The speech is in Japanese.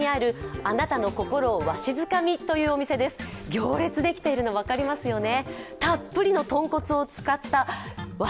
行列できているの、分かりますよね。